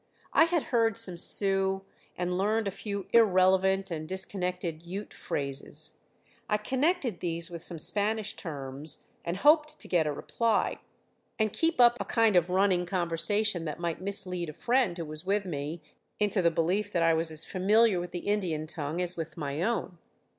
I had heard some Sioux, and learned a few irrelevant and disconnected Ute phrases. I connected these with some Spanish terms and hoped to get a reply, and keep up a kind of running conversation that might mislead a friend who was with me, into the belief that I was as familiar with the Indian tongue as with my own.